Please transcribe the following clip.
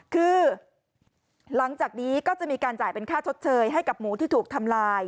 คือหลังจากนี้ก็จะมีการจ่ายเป็นค่าชดเชยให้กับหมูที่ถูกทำลาย